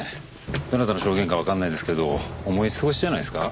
どなたの証言かわかんないですけど思い過ごしじゃないですか？